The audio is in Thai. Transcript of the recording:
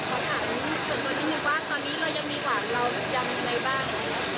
ขอถามส่วนตัวนี้คือว่าตอนนี้เรายังมีหวังเรายังมีอะไรบ้าง